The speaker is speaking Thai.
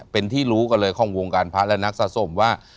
เป็นที่รู้กันเลยของวงการพระและนักสะสมว่า